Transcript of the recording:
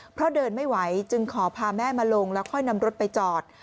เพราะเดินไม่ไหวจึงขอพาแม่มาลงแล้วค่อยนำรถไปจอด